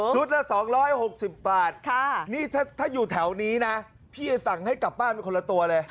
ละ๒๖๐บาทนี่ถ้าอยู่แถวนี้นะพี่จะสั่งให้กลับบ้านเป็นคนละตัวเลย